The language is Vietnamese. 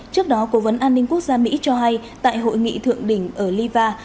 trước đó cố vấn an ninh quốc gia mỹ cho hay tại hội nghị thượng đỉnh ở liba